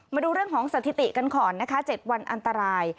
มาดูเรื่องของสถิติกันก่อนนะคะ๗วันอันตราย